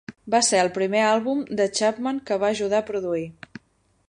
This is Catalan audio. Va ser el primer àlbum de Chapman que va ajudar a produir.